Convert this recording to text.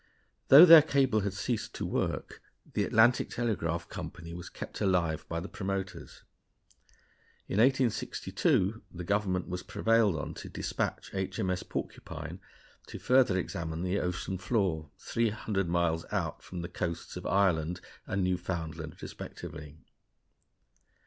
_ Though their cable had ceased to work, the Atlantic Telegraph Company was kept alive by the promoters. In 1862 the Government was prevailed on to despatch H.M.S. Porcupine to further examine the ocean floor 300 miles out from the coasts of Ireland and Newfoundland, respectively.